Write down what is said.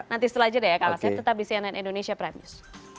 nanti setelah itu ya kak ngasep tetap di cnn indonesia prime news